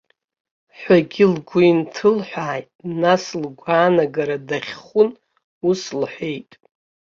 Ҳәагьы лгәы инҭылҳәааит, нас лгәаанагара даахьхәын, ус лҳәеит.